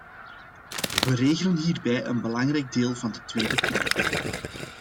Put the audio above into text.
We regelen hierbij een belangrijk deel van de tweede pijler.